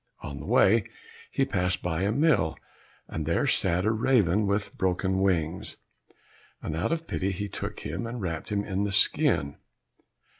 On the way he passed by a mill, and there sat a raven with broken wings, and out of pity he took him and wrapped him in the skin.